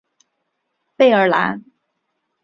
贝尔兰。